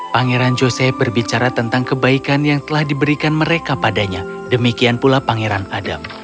pangeran joseph berbicara tentang kebaikan yang telah diberikan mereka padanya demikian pula pangeran adam